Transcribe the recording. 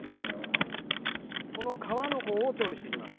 この皮の方を調理していきます。